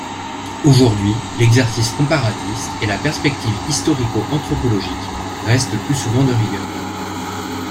Aujourd'hui, l'exercice comparatiste et la perspective historico-anthropologique restent le plus souvent de rigueur.